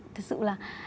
thật sự là